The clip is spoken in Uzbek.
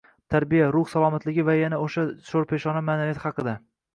Tarbiya, ruh salomatligi va yana o‘sha sho‘rpeshona ma’naviyat haqida